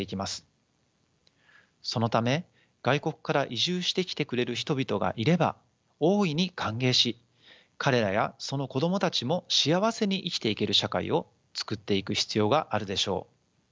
そのため外国から移住してきてくれる人々がいれば大いに歓迎し彼らやその子どもたちも幸せに生きていける社会を作っていく必要があるでしょう。